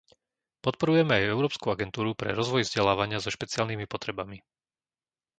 Podporujeme aj Európsku agentúru pre rozvoj vzdelávania so špeciálnymi potrebami.